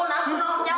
jangan jangan om